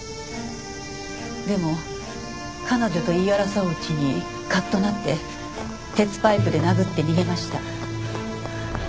でも彼女と言い争ううちにカッとなって鉄パイプで殴って逃げました。